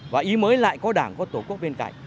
và ý mới lại có đảng có tổ quốc bên cạnh